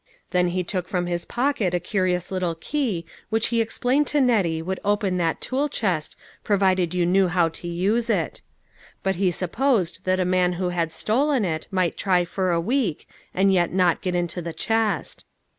Then he took from his pocket a cu rious little key which he explained to Nettie 102 LITTLE FISHERS I AND THEIR NETS. would open that tool chest provided you knew how to use it ; but he supposed that a man who had stolen it might try for a week, and yet not get into the chest.